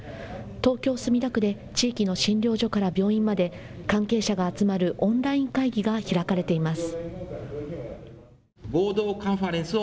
東京墨田区で地域の診療所から病院まで関係者が集まるオンライン会議が開かれています。